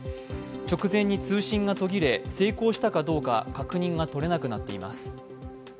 直前に通信が途切れ成功したかどうか確認がとれなくなっています。